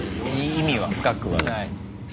意味は深くはない。